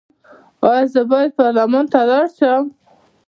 ایا زه باید پارلمان ته لاړ شم؟